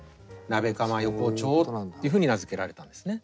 鍋釜横丁っていうふうに名付けられたんですね。